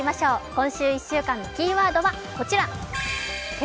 今週１週間、キーワードはこちら、「手」